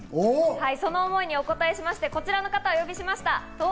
その思いにお答えしまして、こちらの方をお呼びしました。